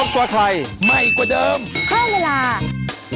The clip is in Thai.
กระแปลงกระแปลง